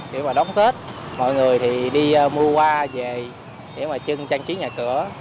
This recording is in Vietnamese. khi mà đóng tết mọi người thì đi mua hoa về để mà trưng trang trí nhà cửa